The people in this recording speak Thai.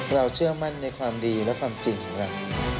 เชื่อมั่นในความดีและความจริงของเรา